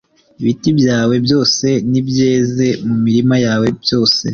ibiti byawe byose n’ibyeze mu mirima yawe byose